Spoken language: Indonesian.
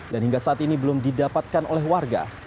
hingga saat ini belum didapatkan oleh warga